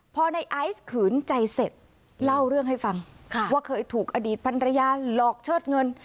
พอในไอซ์ขืนใจเสร็จเล่าเรื่องให้ฟังว่าเคยถูกอดีตพันรยาหลอกเชิดเงิน